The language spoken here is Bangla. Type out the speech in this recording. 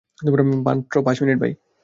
মাত্র পাঁচ মিনিট ভাই।